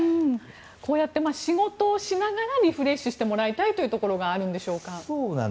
こうやって仕事をしながらリフレッシュしてもらいたいというところがあるんでしょうか。